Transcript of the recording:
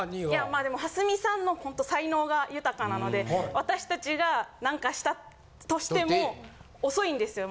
まあでも蓮見さんのほんと才能が豊かなので私達が何かしたとしても遅いんですよ